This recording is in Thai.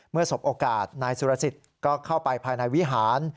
เมื่อสบโอกาศนะสุรสิทธิก็เข้าไปภายนายวิหาร